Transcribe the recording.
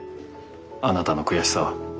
あなたの悔しさは。